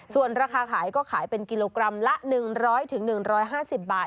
ส่วนราคาขายก็ขายเป็นกิโลกรัมละ๑๐๐๑๕๐บาท